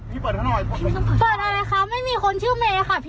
พี่เปิดให้หน่อยเปิดอะไรคะไม่มีคนชื่อเมย์ค่ะพี่